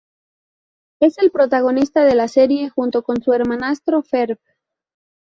Es el protagonista de la serie junto con su hermanastro Ferb.